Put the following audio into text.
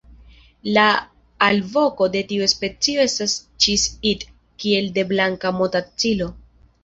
La alvoko de tiu specio estas "ĉis-it" kiel de Blanka motacilo.